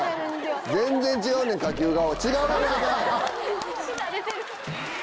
全然違うねん下級顔。